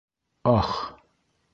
«Ах!»